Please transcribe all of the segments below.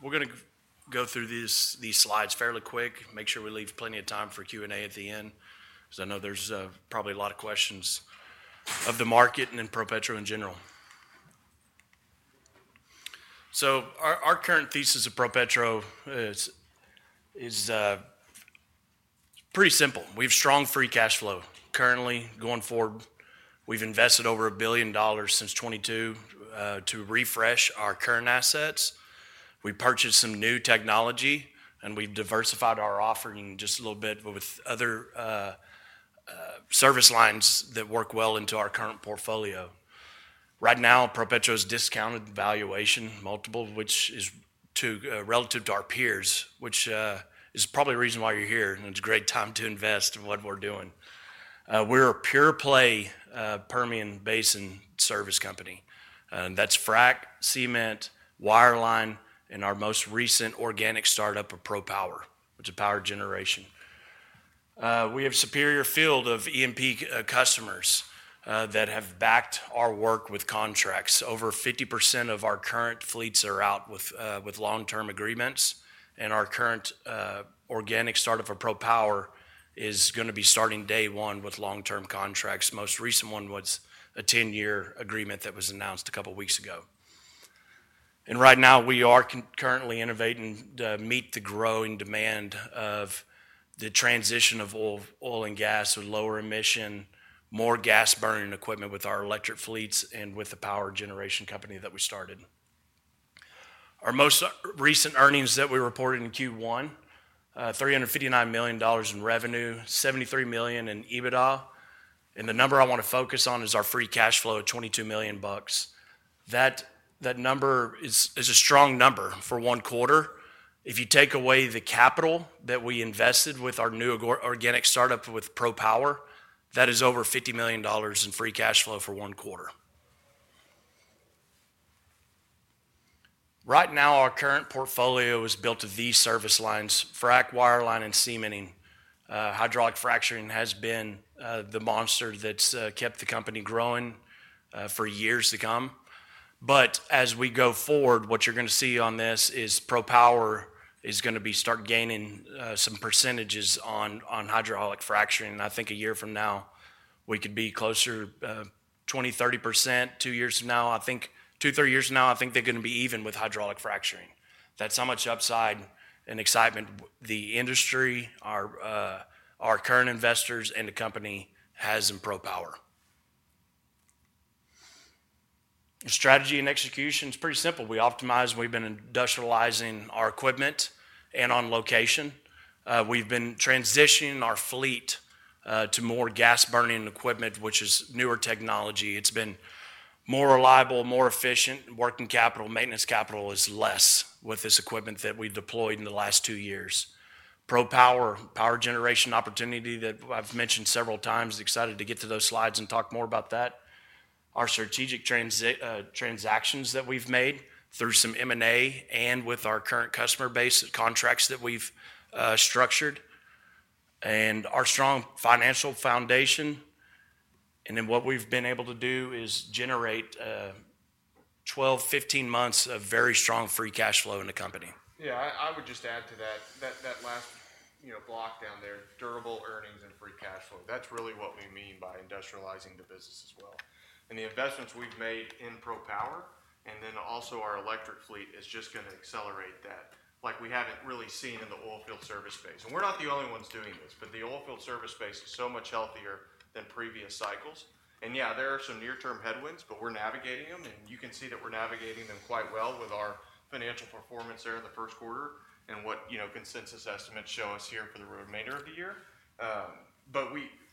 We're going to go through these slides fairly quick, make sure we leave plenty of time for Q&A at the end, because I know there's probably a lot of questions of the market and then ProPetro in general. Our current thesis of ProPetro is pretty simple. We have strong free cash flow. Currently, going forward, we've invested over $1 billion since 2022 to refresh our current assets. We purchased some new technology, and we've diversified our offering just a little bit with other service lines that work well into our current portfolio. Right now, ProPetro's discounted valuation, multiple of which is relative to our peers, which is probably the reason why you're here, and it's a great time to invest in what we're doing. We're a pure-play Permian Basin service company. That's frac, cement, wireline, and our most recent organic startup of ProPower, which is power generation. We have a superior field of E&P customers that have backed our work with contracts. Over 50% of our current fleets are out with long-term agreements, and our current organic startup of ProPower is going to be starting day one with long-term contracts. The most recent one was a 10-year agreement that was announced a couple of weeks ago. Right now, we are currently innovating to meet the growing demand of the transition of oil and gas to lower emission, more gas-burning equipment with our electric fleets and with the power generation company that we started. Our most recent earnings that we reported in Q1: $359 million in revenue, $73 million in EBITDA. The number I want to focus on is our free cash flow of $22 million bucks. That number is a strong number for one quarter. If you take away the capital that we invested with our new organic startup with ProPower, that is over $50 million in free cash flow for one quarter. Right now, our current portfolio is built to these service lines: frac, wireline, and cementing. Hydraulic fracturing has been the monster that's kept the company growing for years to come. As we go forward, what you're going to see on this is ProPower is going to start gaining some percentages on hydraulic fracturing. I think a year from now, we could be closer to 20%-30%. Two years from now, I think two to three years from now, I think they're going to be even with hydraulic fracturing. That's how much upside and excitement the industry, our current investors, and the company has in ProPower. Strategy and execution is pretty simple. We optimize. We've been industrializing our equipment and on location. We've been transitioning our fleet to more gas-burning equipment, which is newer technology. It's been more reliable, more efficient, working capital. Maintenance capital is less with this equipment that we've deployed in the last two years. ProPower, power generation opportunity that I've mentioned several times. Excited to get to those slides and talk more about that. Our strategic transactions that we've made through some M&A and with our current customer base contracts that we've structured, and our strong financial foundation. What we've been able to do is generate 12-15 months of very strong free cash flow in the company. Yeah, I would just add to that last block down there, durable earnings and free cash flow. That's really what we mean by industrializing the business as well. The investments we've made in ProPower and then also our electric fleet are just going to accelerate that. Like, we haven't really seen that in the oil field service space. We're not the only ones doing this, but the oil field service space is so much healthier than previous cycles. Yeah, there are some near-term headwinds, but we're navigating them. You can see that we're navigating them quite well with our financial performance there in the first quarter and what consensus estimates show us here for the remainder of the year.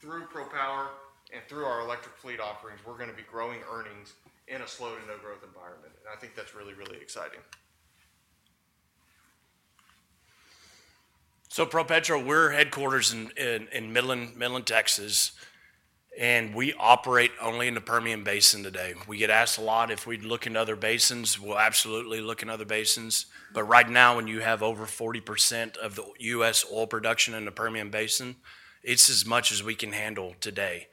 Through ProPower and through our electric fleet offerings, we're going to be growing earnings in a slow-to-no-growth environment. I think that's really, really exciting. ProPetro, we're headquartered in Midland, Texas, and we operate only in the Permian Basin today. We get asked a lot if we'd look in other basins. We'll absolutely look in other basins. Right now, when you have over 40% of the U.S. oil production in the Permian Basin, it's as much as we can handle today.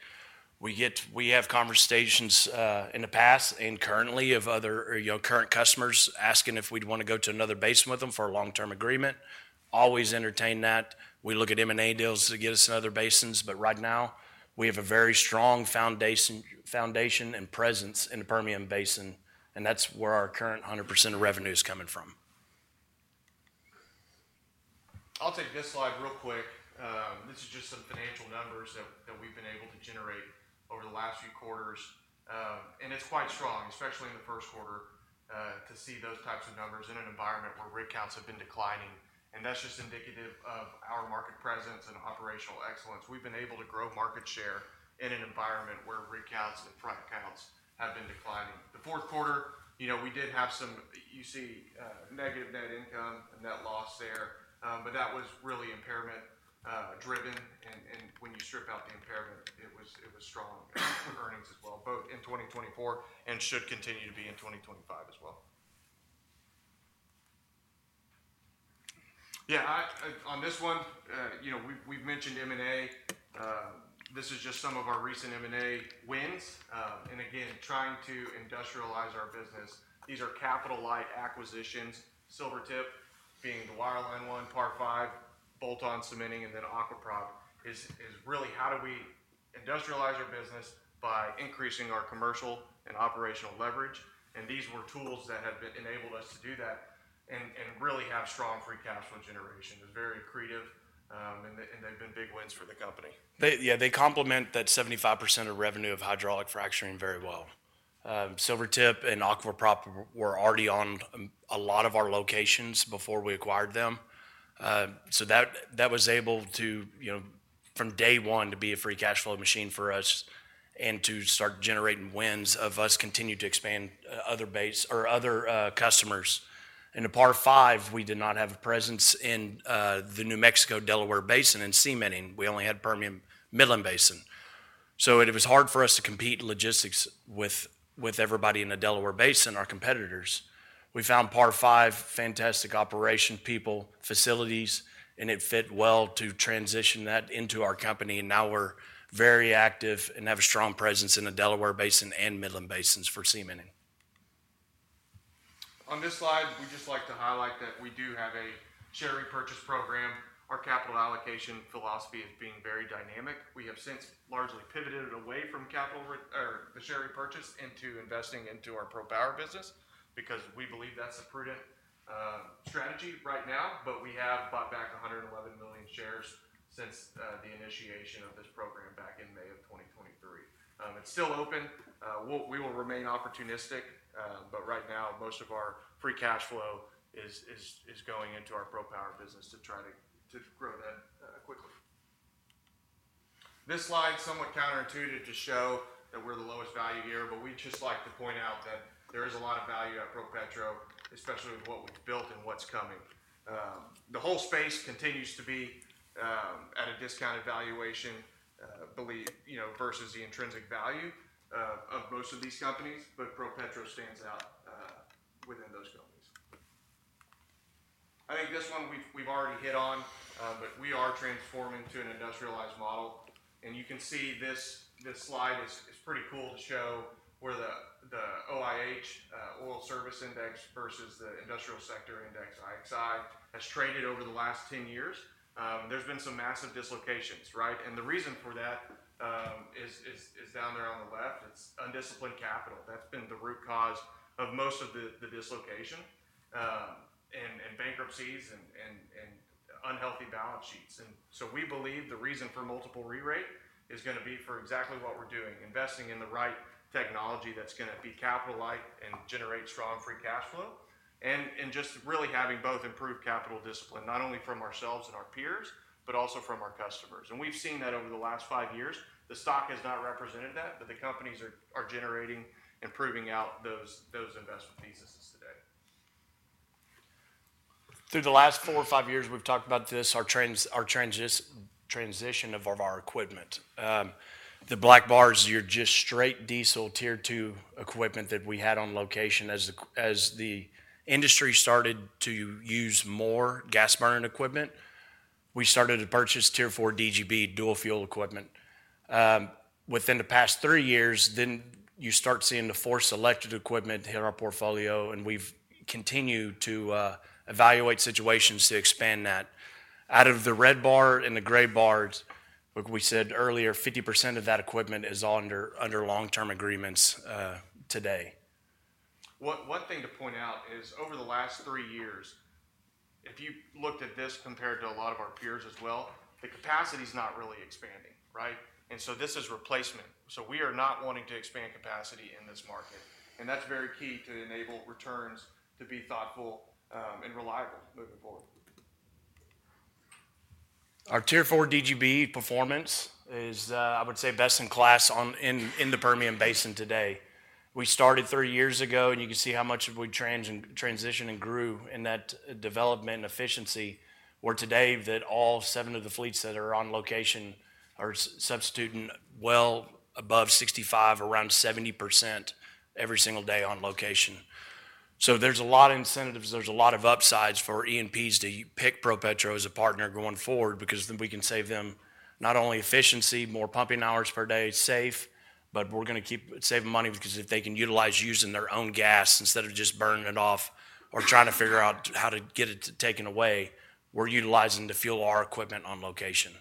We have conversations in the past and currently of other current customers asking if we'd want to go to another basin with them for a long-term agreement. Always entertain that. We look at M&A deals to get us in other basins. Right now, we have a very strong foundation and presence in the Permian Basin, and that's where our current 100% of revenue is coming from. I'll take this slide real quick. This is just some financial numbers that we've been able to generate over the last few quarters. It's quite strong, especially in the first quarter, to see those types of numbers in an environment where rig counts have been declining. That's just indicative of our market presence and operational excellence. We've been able to grow market share in an environment where rig counts and frac counts have been declining. The fourth quarter, we did have some negative net income and net loss there, but that was really impairment-driven. When you strip out the impairment, it was strong earnings as well, both in 2024 and should continue to be in 2025 as well. On this one, we've mentioned M&A. This is just some of our recent M&A wins. Again, trying to industrialize our business. These are capital-light acquisitions. Silvertip being the wireline one, Part Five, bolt-on cementing, and then Aqua Prop is really how do we industrialize our business by increasing our commercial and operational leverage. These were tools that have enabled us to do that and really have strong free cash flow generation. It is very accretive, and they have been big wins for the company. Yeah, they complement that 75% of revenue of hydraulic fracturing very well. Silvertip and Aqua Prop were already on a lot of our locations before we acquired them. That was able to, from day one, to be a free cash flow machine for us and to start generating wins of us continuing to expand other customers. In Part Five, we did not have a presence in the New Mexico-Delaware Basin in cementing. We only had Permian-Midland Basin. It was hard for us to compete in logistics with everybody in the Delaware Basin, our competitors. We found Part Five, fantastic operation people, facilities, and it fit well to transition that into our company. Now we're very active and have a strong presence in the Delaware Basin and Midland Basins for cementing. On this slide, we'd just like to highlight that we do have a share repurchase program. Our capital allocation philosophy is being very dynamic. We have since largely pivoted away from capital or the share repurchase into investing into our ProPower business because we believe that's the prudent strategy right now. We have bought back 111 million shares since the initiation of this program back in May of 2023. It's still open. We will remain opportunistic, but right now, most of our free cash flow is going into our ProPower business to try to grow that quickly. This slide is somewhat counterintuitive to show that we're the lowest value here, but we'd just like to point out that there is a lot of value at ProPetro, especially with what we've built and what's coming. The whole space continues to be at a discounted valuation versus the intrinsic value of most of these companies, but ProPetro stands out within those companies. I think this one we've already hit on, but we are transforming to an industrialized model. You can see this slide is pretty cool to show where the OIH, Oil Service Index, versus the Industrial Sector Index, IXI, has traded over the last 10 years. There have been some massive dislocations, right? The reason for that is down there on the left. It's undisciplined capital. That's been the root cause of most of the dislocation and bankruptcies and unhealthy balance sheets. We believe the reason for multiple re-rate is going to be for exactly what we're doing, investing in the right technology that's going to be capital-light and generate strong free cash flow and just really having both improved capital discipline, not only from ourselves and our peers, but also from our customers. We have seen that over the last five years. The stock has not represented that, but the companies are generating and proving out those investment theses today. Through the last four or five years, we've talked about this, our transition of our equipment. The black bars, you're just straight diesel Tier 2 equipment that we had on location. As the industry started to use more gas-burning equipment, we started to purchase Tier 4 DGB dual fuel equipment. Within the past three years, then you start seeing the Force-selected equipment hit our portfolio, and we've continued to evaluate situations to expand that. Out of the red bar and the gray bars, like we said earlier, 50% of that equipment is under long-term agreements today. One thing to point out is over the last three years, if you looked at this compared to a lot of our peers as well, the capacity is not really expanding, right? This is replacement. We are not wanting to expand capacity in this market. That is very key to enable returns to be thoughtful and reliable moving forward. Our Tier 4 DGB performance is, I would say, best in class in the Permian Basin today. We started three years ago, and you can see how much we transitioned and grew in that development and efficiency where today that all seven of the fleets that are on location are substituting well above 65% around 70% every single day on location. There is a lot of incentives. There is a lot of upsides for EMPs to pick ProPetro as a partner going forward because then we can save them not only efficiency, more pumping hours per day, safe, but we are going to keep saving money because if they can utilize using their own gas instead of just burning it off or trying to figure out how to get it taken away, we are utilizing the fuel or equipment on location.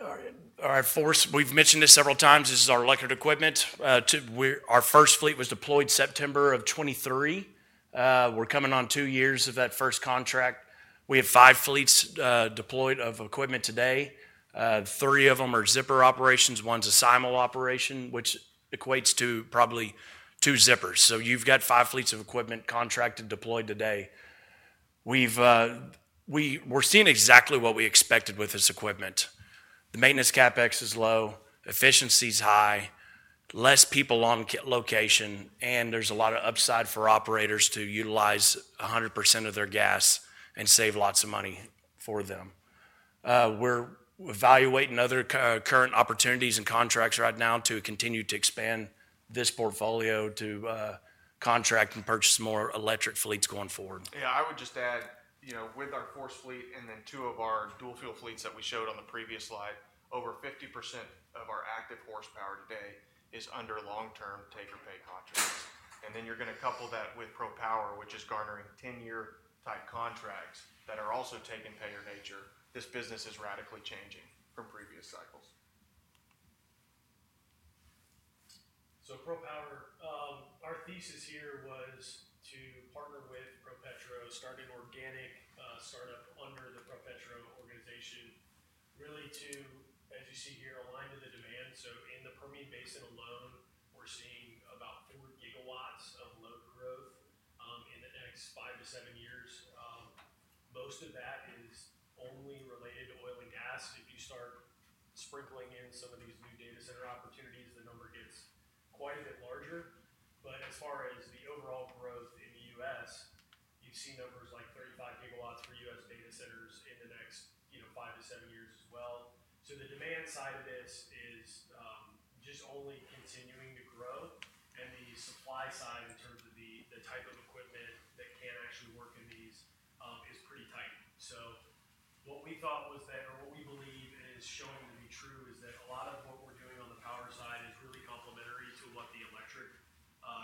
All right, Force, we have mentioned this several times. This is our electric equipment. Our first fleet was deployed September of 2023. We're coming on two years of that first contract. We have five fleets deployed of equipment today. Three of them are zipper operations. One's a simul operation, which equates to probably two zippers. So you've got five fleets of equipment contracted deployed today. We're seeing exactly what we expected with this equipment. The maintenance CapEx is low, efficiency is high, less people on location, and there's a lot of upside for operators to utilize 100% of their gas and save lots of money for them. We're evaluating other current opportunities and contracts right now to continue to expand this portfolio to contract and purchase more electric fleets going forward. Yeah, I would just add with our Force Fleet and then two of our dual fuel fleets that we showed on the previous slide, over 50% of our active horsepower today is under long-term take-or-pay contracts. You are going to couple that with ProPower, which is garnering 10-year type contracts that are also take-or-pay in nature. This business is radically changing from previous cycles. ProPower, our thesis here was to partner with ProPetro, start an organic startup under the ProPetro organization, really to, as you see here, align to the demand. In the Permian Basin alone, we're seeing about 4 gigawatts of load growth in the next five to seven years. Most of that is only related to oil and gas. If you start sprinkling in some of these new data center opportunities, the number gets quite a bit larger. As far as the overall growth in the U.S., you see numbers like 35 gigawatts for U.S. data centers in the next five to seven years as well. The demand side of this is just only continuing to grow. The supply side in terms of the type of equipment that can actually work in these is pretty tight. What we thought was that, or what we believe is showing to be true, is that a lot of what we're doing on the power side is really complementary to what the electric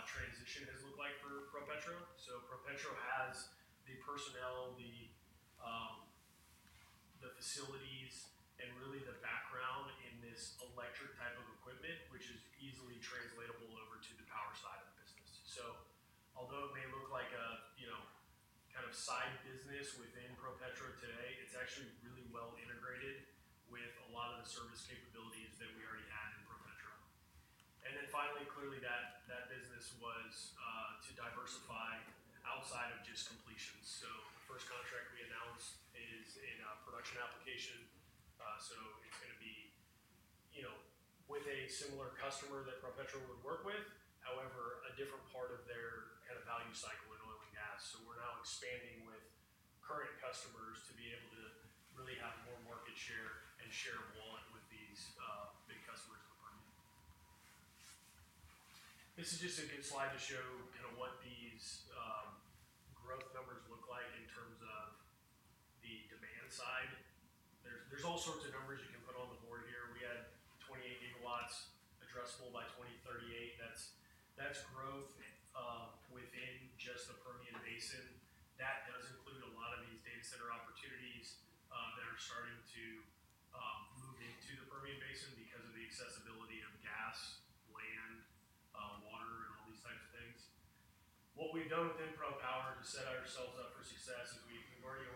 transition has looked like for ProPetro. ProPetro has the personnel, the facilities, and really the background in this electric type of equipment, which is easily translatable over to the power side of the business. Although it may look like a kind of side business within ProPetro today, it's actually really well integrated with a lot of the service capabilities that we already have in ProPetro. Finally, clearly that business was to diversify outside of just completions. The first contract we announced is in a production application. It's going to be with a similar customer that ProPetro would work with, however, a different part of their kind of value cycle in oil and gas. We're now expanding with current customers to be able to really have more market share and share of wallet with these big customers in the Permian. This is just a good slide to show kind of what these growth numbers look like in terms of the demand side. There are all sorts of numbers you can put on the board here. We had 28 GW addressable by 2038. That's growth within just the Permian Basin. That does include a lot of these data center opportunities that are starting to move into the Permian Basin because of the accessibility of gas, land, water, and all these types of things. What we've done within ProPower to set ourselves up for success is we've already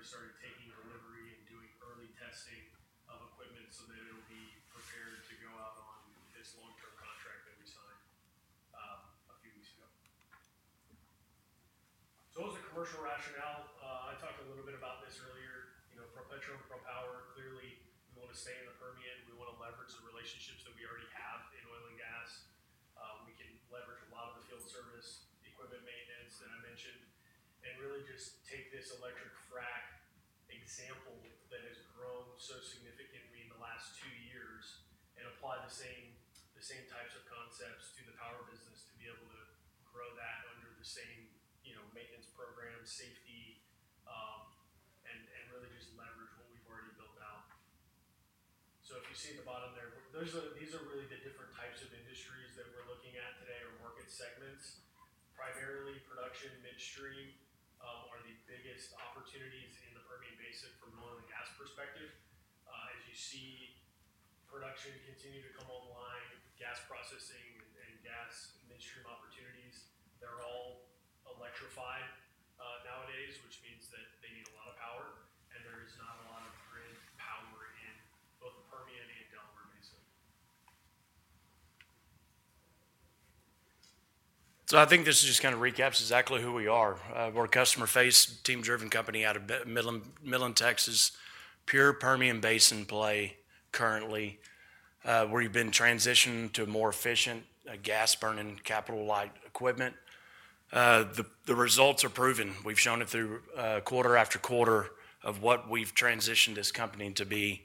ordered 220 megawatts of equipment. We expect to deploy all of that by the middle of next year. We've actually already started taking delivery and doing early testing of equipment so that it'll be prepared to go out on this long-term contract that we signed a few weeks ago. Those are commercial rationale. I talked a little bit about this earlier. ProPetro, ProPower, clearly we want to stay in the Permian. We want to leverage the relationships that we already have in oil and gas. We can leverage a lot of the field service equipment maintenance that I mentioned and really just take this electric frac example that has grown so significantly in the last two years and apply the same types of concepts to the power business to be able to grow that under the same maintenance program, safety, and really just leverage what we've already built out. If you see at the bottom there, these are really the different types of industries that we're looking at today or market segments. Primarily, production and midstream are the biggest opportunities in the Permian Basin from an oil and gas perspective. As you see production continue to come online, gas processing and gas midstream opportunities, they're all electrified nowadays, which means that they need a lot of power. There is not a lot of grid power in both the Permian and Delaware Basin. I think this just kind of recaps exactly who we are. We're a customer-faced, team-driven company out of Midland, Texas, pure Permian Basin play currently, where we've been transitioned to a more efficient gas-burning capital-light equipment. The results are proven. We've shown it through quarter after quarter of what we've transitioned this company to be.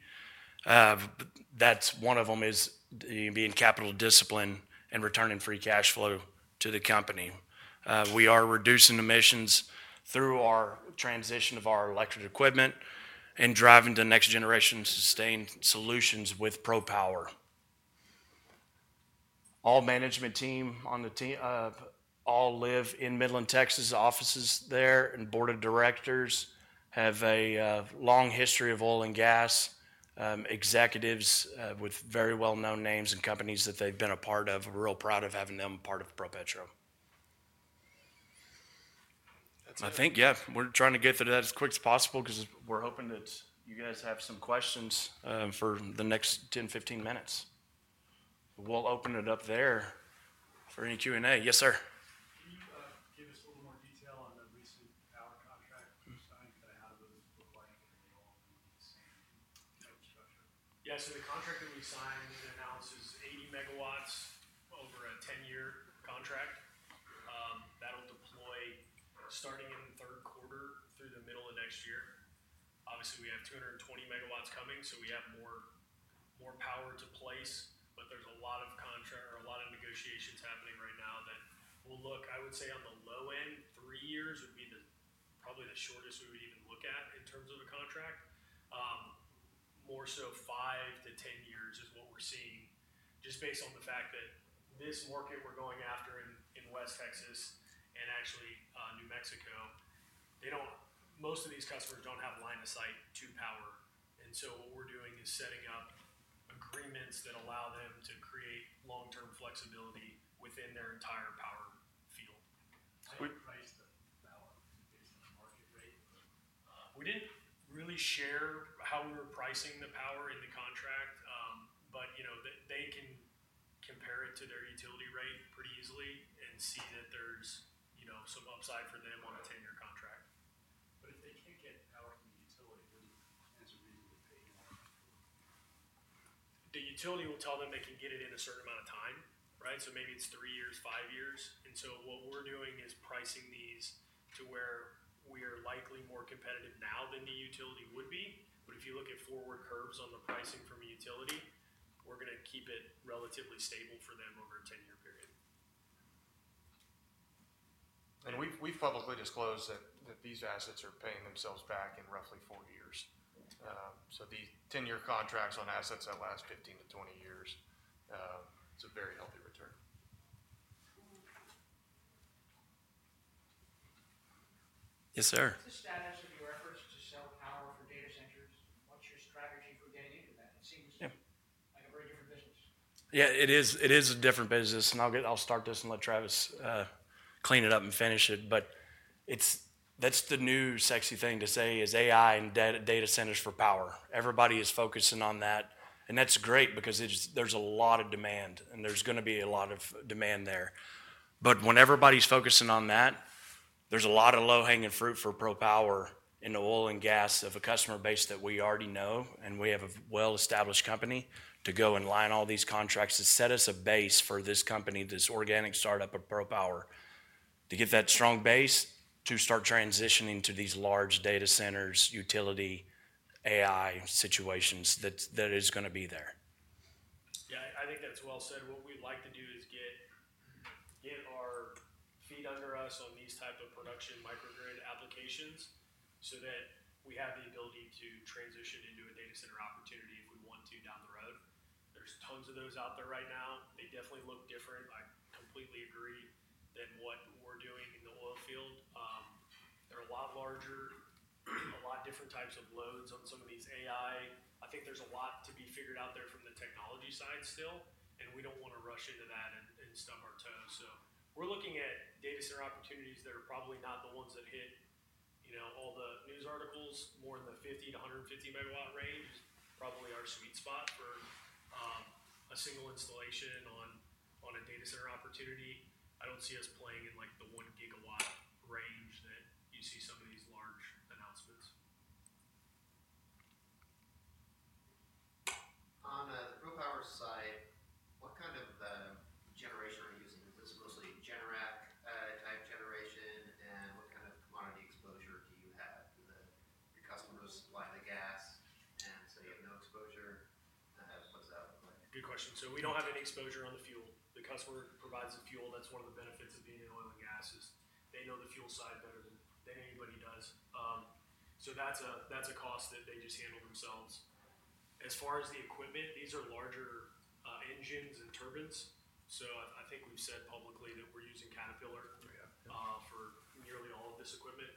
That's one of them is being capital discipline and returning free cash flow to the company. We are reducing emissions through our transition of our electric equipment and driving to next-generation sustained solutions with ProPower. All management team on the team all live in Midland, Texas, offices there, and board of directors have a long history of oil and gas, executives with very well-known names and companies that they've been a part of, real proud of having them part of ProPetro. I think, yeah, we're trying to get through that as quick as possible because we're hoping that you guys have some questions for the next 10-15 minutes. We'll open it up there for any Q&A. Yes, sir. Yeah, so the contract that we've signed and announced is 80 megawatts over a 10-year contract. That'll deploy starting in the third quarter through the middle of next year. Obviously, we have 220 megawatts coming, so we have more power to place, but there's a lot of contract or a lot of negotiations happening right now that we'll look, I would say on the low end, three years would be probably the shortest we would even look at in terms of a contract. More so five to 10 years is what we're seeing just based on the fact that this market we're going after in West Texas and actually New Mexico, most of these customers don't have line of sight to power. What we're doing is setting up agreements that allow them to create long-term flexibility within their entire power field. How do you price the power based on market rate? We didn't really share how we were pricing the power in the contract, but they can compare it to their utility rate pretty easily and see that there's some upside for them on a 10-year contract. If they can't get power from the utility, The utility will tell them they can get it in a certain amount of time, right? Maybe it is three years, five years. What we are doing is pricing these to where we are likely more competitive now than the utility would be. If you look at forward curves on the pricing from a utility, we are going to keep it relatively stable for them over a 10-year period. We have publicly disclosed that these assets are paying themselves back in roughly four years. The 10-year contracts on assets that last 15 to 20 years, it's a very healthy return. Yes, sir. What's the status of your efforts to sell power for data centers? Yeah, it is a different business. I'll start this and let Travis clean it up and finish it. That's the new sexy thing to say is AI and data centers for power. Everybody is focusing on that. That's great because there's a lot of demand and there's going to be a lot of demand there. When everybody's focusing on that, there's a lot of low-hanging fruit for ProPower in the oil and gas of a customer base that we already know and we have a well-established company to go and line all these contracts to set us a base for this company, this organic startup of ProPower, to get that strong base to start transitioning to these large data centers, utility, AI situations that is going to be there. Yeah, I think that's well said. What we'd like to do is get our feet under us on these types of production microgrid applications so that we have the ability to transition into a data center opportunity if we want to down the road. There's tons of those out there right now. They definitely look different. I completely agree that what we're doing in the oil field, they're a lot larger, a lot of different types of loads on some of these AI. I think there's a lot to be figured out there from the technology side still, and we don't want to rush into that and stub our toes. We're looking at data center opportunities that are probably not the ones that hit all the news articles, more in the 50-150 megawatt range is probably our sweet spot for a single installation on a data center opportunity. I don't see us playing in the 1 gigawatt range that you see some of these large announcements. On the ProPower side, what kind of generation are you using? Good question. We do not have any exposure on the fuel. The customer provides the fuel. That is one of the benefits of being in oil and gas is they know the fuel side better than anybody does. That is a cost that they just handle themselves. As far as the equipment, these are larger engines and turbines. I think we have said publicly that we are using Caterpillar for nearly all of this equipment.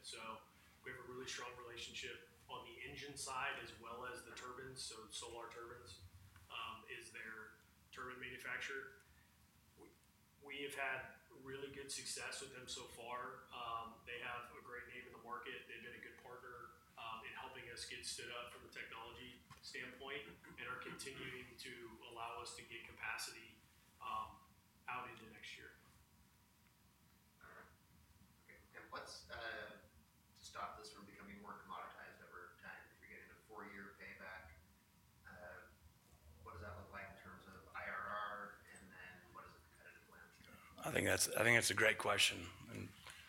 We have a really strong relationship on the engine side as well as the turbines. Solar Turbines is their turbine manufacturer. We have had really good success with them so far. They have a great name in the market. They have been a good partner in helping us get stood up from a technology standpoint and are continuing to allow us to get capacity out into next year. All right. Okay. What's to stop this from becoming more commoditized over time if you're getting a four-year payback? What does that look like in terms of I think that's a great question.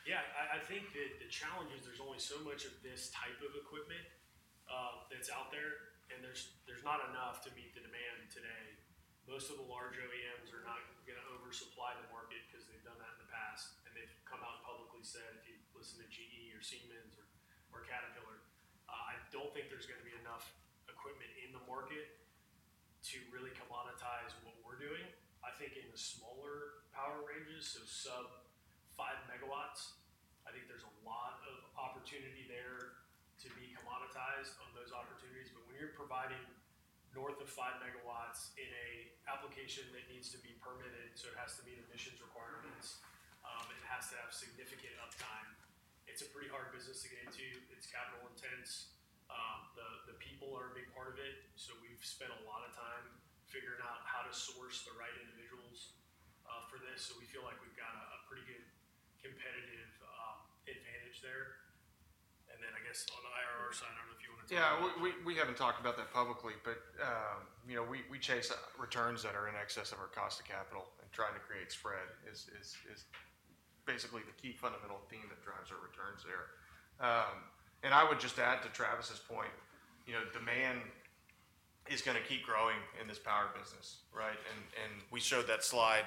Yeah. I think that the challenge is there's only so much of this type of equipment that's out there, and there's not enough to meet the demand today. Most of the large OEMs are not going to oversupply the market because they've done that in the past. They've come out and publicly said, if you listen to GE or Siemens or Caterpillar, I don't think there's going to be enough equipment in the market to really commoditize what we're doing. I think in the smaller power ranges, so sub 5 megawatts, I think there's a lot of opportunity there to be commoditized on those opportunities. When you're providing north of 5 MW in an application that needs to be permitted, so it has to meet emissions requirements, it has to have significant uptime. It's a pretty hard business to get into. It's capital intense. The people are a big part of it. We have spent a lot of time figuring out how to source the right individuals for this. We feel like we have a pretty good competitive advantage there. I guess on the IRR side, I do not know if you want to talk about that. Yeah, we have not talked about that publicly, but we chase returns that are in excess of our cost of capital, and trying to create spread is basically the key fundamental theme that drives our returns there. I would just add to Travis's point, demand is going to keep growing in this power business, right? We showed that slide,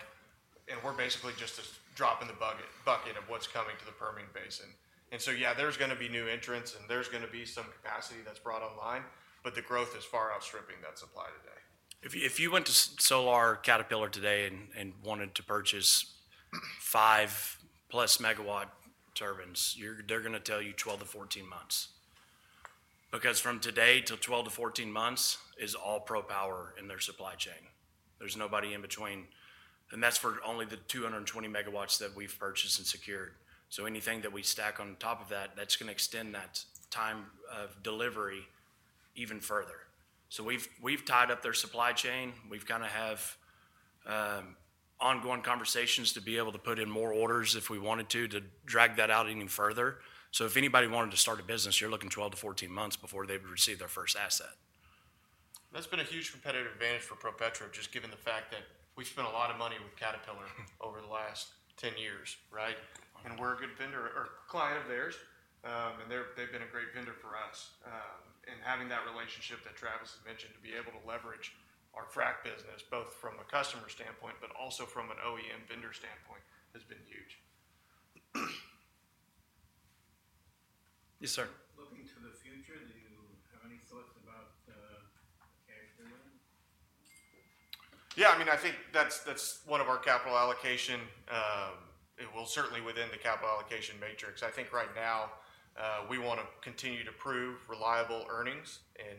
and we are basically just a drop in the bucket of what is coming to the Permian Basin. There are going to be new entrants, and there is going to be some capacity that is brought online, but the growth is far outstripping that supply today. If you went to Solar Turbines or Caterpillar today and wanted to purchase 5-plus megawatt turbines, they are going to tell you 12-14 months. From today until 12-14 months is all ProPower in their supply chain. There is nobody in between. That's for only the 220 megawatts that we've purchased and secured. Anything that we stack on top of that is going to extend that time of delivery even further. We've tied up their supply chain. We've kind of had ongoing conversations to be able to put in more orders if we wanted to, to drag that out even further. If anybody wanted to start a business, you're looking at 12-14 months before they've received their first asset. That's been a huge competitive advantage for ProPetro, just given the fact that we spent a lot of money with Caterpillar over the last 10 years, right? We're a good vendor or client of theirs, and they've been a great vendor for us. Having that relationship that Travis had mentioned to be able to leverage our frac business, both from a customer standpoint, but also from an OEM vendor standpoint, has been huge. Yes, sir. Looking to the future, Yeah. I mean, I think that's one of our capital allocation. It will certainly be within the capital allocation matrix. I think right now we want to continue to prove reliable earnings and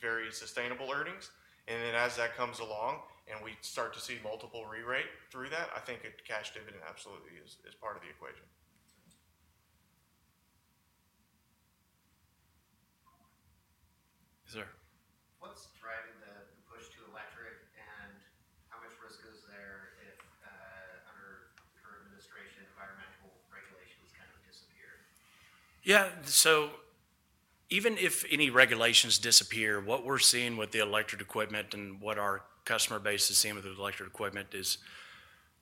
very sustainable earnings. Then as that comes along and we start to see multiple re-rate through that, I think cash dividend absolutely is part of the equation. Yes, sir. What's driving the push to electric and how much risk is there if, under the Yeah. Even if any regulations disappear, what we're seeing with the electric equipment and what our customer base is seeing with the electric equipment is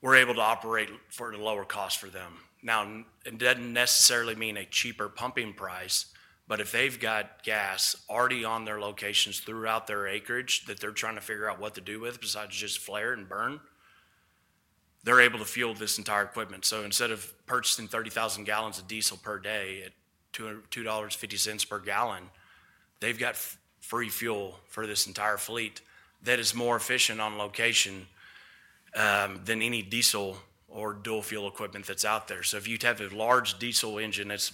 we're able to operate for a lower cost for them. Now, it doesn't necessarily mean a cheaper pumping price, but if they've got gas already on their locations throughout their acreage that they're trying to figure out what to do with besides just flare and burn, they're able to fuel this entire equipment. Instead of purchasing 30,000 gallons of diesel per day at $2.50 per gallon, they've got free fuel for this entire fleet that is more efficient on location than any diesel or dual fuel equipment that's out there. If you have a large diesel engine that's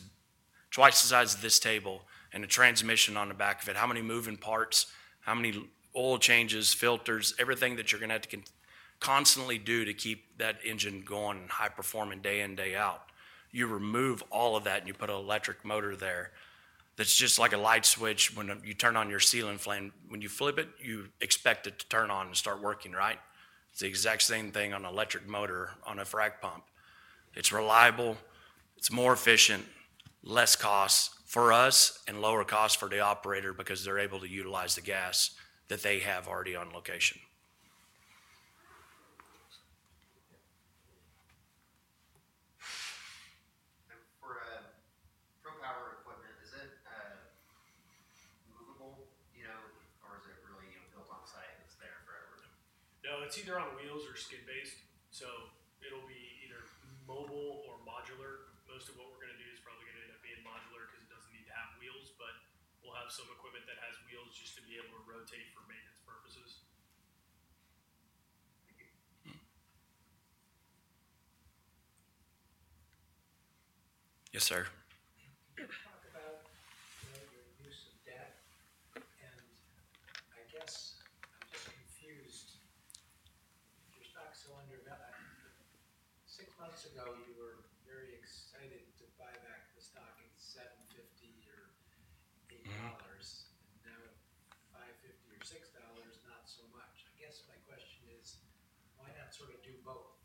twice the size of this table and a transmission on the back of it, how many moving parts, how many oil changes, filters, everything that you're going to have to constantly do to keep that engine going and high performing day in, day out, you remove all of that and you put an electric motor there that's just like a light switch when you turn on your ceiling fan. When you flip it, you expect it to turn on and start working, right? It's the exact same thing on an electric motor on a frac pump. It's reliable. It's more efficient, less cost for us, and lower cost for the operator because they're able to utilize the gas that they have already on location. For ProPower equipment, is it movable or is it really built on site and it's there forever? No, it's either on wheels or skid based. So it'll be either mobile or modular. Most of what we're going to do is probably going to end up being modular because it doesn't need to have wheels, but we'll have some equipment that has wheels just to be able to rotate for maintenance purposes. Yes, sir. You talk about your use of debt. I guess I'm just confused. Your stock's still undervalued. Six months ago, you were very excited to buy back the stock at $7.50 or $8. And now at $5.50 or $6, not so much. I guess my question is, why not sort of do both?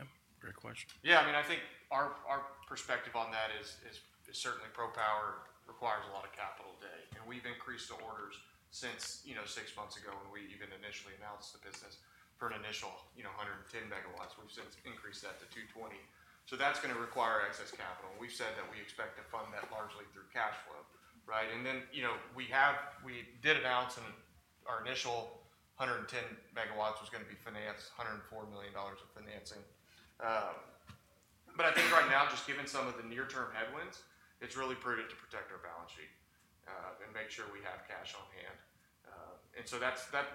Yep. Great question. Yeah. I mean, I think our perspective on that is certainly ProPower requires a lot of capital today. We have increased the orders since six months ago when we even initially announced the business for an initial 110 megawatts. We have since increased that to 220. That is going to require excess capital. We have said that we expect to fund that largely through cash flow, right? We did announce our initial 110 MW was going to be financed, $104 million of financing. I think right now, just given some of the near-term headwinds, it is really prudent to protect our balance sheet and make sure we have cash on hand.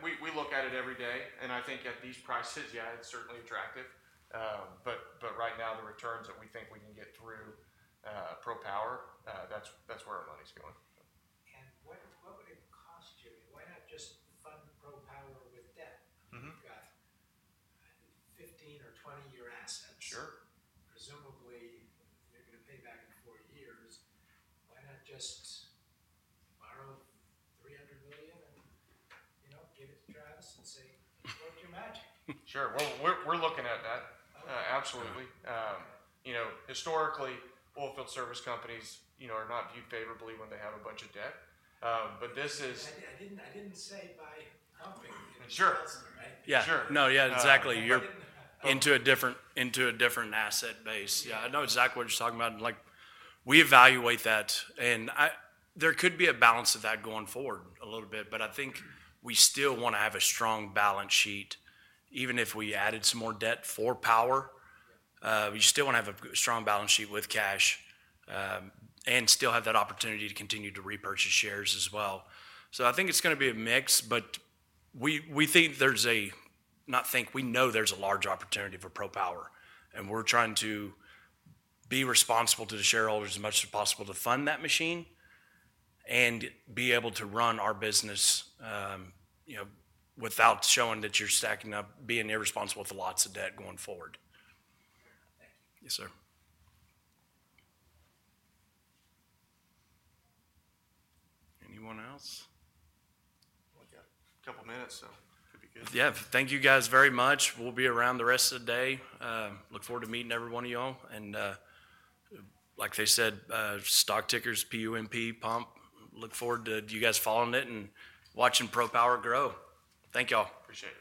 We look at it every day. I think at these prices, yeah, it is certainly attractive. Right now, the returns that we think we can get through ProPower, that is where our money is going. What would it cost you? Why not just fund ProPower with debt? You've got 15- or 20-year assets. Presumably, you're going to pay back in four years. Why not just borrow $300 million and give it to Travis and say, "It's work your magic"? Sure. We're looking at that. Absolutely. Historically, oilfield service companies are not viewed favorably when they have a bunch of debt. This is. Yeah. No, yeah, exactly. You're into a different asset base. Yeah. I know exactly what you're talking about. We evaluate that. And there could be a balance of that going forward a little bit, but I think we still want to have a strong balance sheet, even if we added some more debt for power. We still want to have a strong balance sheet with cash and still have that opportunity to continue to repurchase shares as well. I think it's going to be a mix, but we think there's a—not think, we know there's a large opportunity for ProPower. And we're trying to be responsible to the shareholders as much as possible to fund that machine and be able to run our business without showing that you're stacking up, being irresponsible with lots of debt going forward. Yes, sir. Anyone else? We've got a couple of minutes, so it could be good. Yeah. Thank you guys very much. We'll be around the rest of the day. Look forward to meeting every one of y'all. Like they said, stock tickers, PUMP, Pump. Look forward to you guys following it and watching ProPower grow. Thank y'all. Appreciate it.